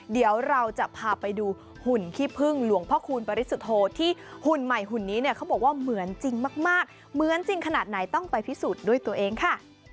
เดี๋ยวเราจะพาไปดูหุ่นขี้พึ่งหลวงพ่อคูณปริสุทธโธที่หุ่นใหม่หุ่นนี้เนี่ยเขาบอกว่าเหมือนจริงมากเหมือนจริงขนาดไหนต้องไปพิสูจน์ด้วยตัวเองค่ะ